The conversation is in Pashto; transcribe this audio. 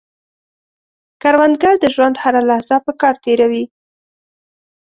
کروندګر د ژوند هره لحظه په کار تېروي